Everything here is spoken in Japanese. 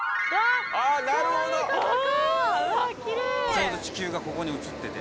・ちょうど地球がここに映ってて。